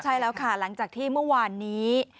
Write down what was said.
ใช่แล้วค่ะหลังจากที่เมื่อวานนี้